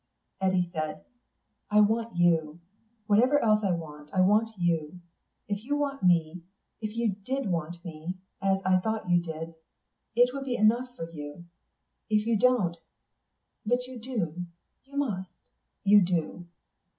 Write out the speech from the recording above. Eddy said, "I want you. Whatever else I want, I want you. If you want me if you did want me, as I thought you did it would be enough. If you don't.... But you do, you must, you do."